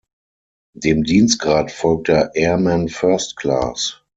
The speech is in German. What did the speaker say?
Dem Dienstgrad folgt der Airman First Class.